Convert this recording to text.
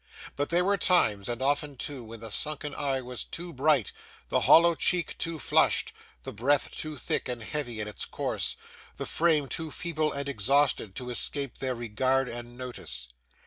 But there were times, and often too, when the sunken eye was too bright, the hollow cheek too flushed, the breath too thick and heavy in its course, the frame too feeble and exhausted, to escape their regard and notice.